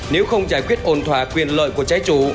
nếu không giải quyết ổn thỏa quyền lợi của trái chủ